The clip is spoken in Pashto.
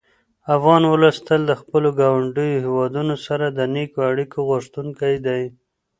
افغان ولس تل د خپلو ګاونډیو هېوادونو سره د نېکو اړیکو غوښتونکی دی.